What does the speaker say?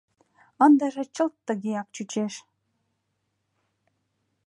Ындыже чылт тыгеак чучеш.